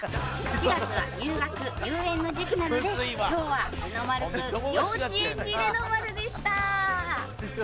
４月は入学入園の時期なので今日はレノ丸君幼稚園児レノ丸でした！